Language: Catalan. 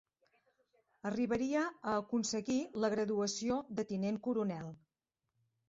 Arribaria a aconseguir la graduació de tinent coronel.